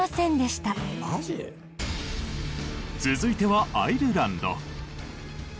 続いてはアイルランド。